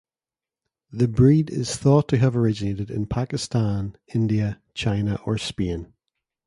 The breed is thought to have originated in Pakistan, India, China or Spain.